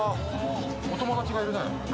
お友達がいるね。